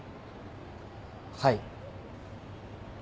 はい。